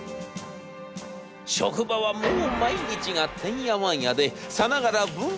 職場はもう毎日がてんやわんやでさながら文化祭の前日です。